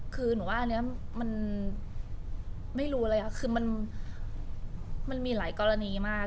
คือหนูว่าอันนี้มันไม่รู้เลยค่ะคือมันมีหลายกรณีมาก